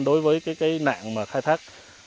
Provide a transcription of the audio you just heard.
đối với cái nạn mà khai thác